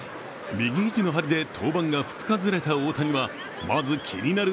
右肘の針で登板が２日ずれた大谷はまず、気になる